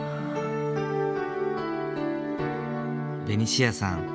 ベニシアさん